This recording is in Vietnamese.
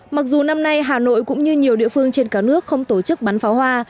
mặc dù năm nay hà nội cũng như nhiều địa phương trên cả nước không tổ chức bắn pháo hoa